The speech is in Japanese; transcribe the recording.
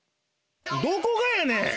どこがやねん！